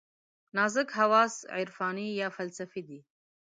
نازک حواس عرفاني یا فلسفي دي.